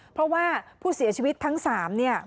เพราะว่าผู้เสียชีวิตทั้ง๓เนี่ย